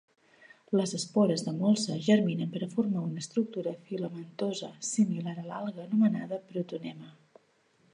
Les espores de molsa germinen per a formar una estructura filamentosa similar a l'alga anomenada protonema.